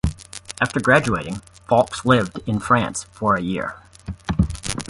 After graduating, Faulks lived in France for a year.